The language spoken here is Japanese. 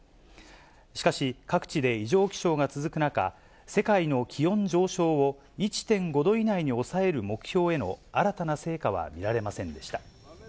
しかし、各地で異常気象が続く中、世界の気温上昇を１．５度以内に抑える目標への新たな成果は見られませんでした。